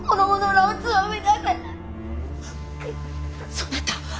そなた！